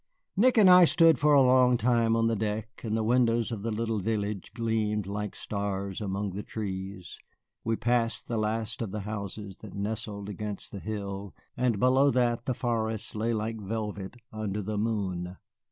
Nick and I stood for a long time on the deck, and the windows of the little village gleamed like stars among the trees. We passed the last of its houses that nestled against the hill, and below that the forest lay like velvet under the moon.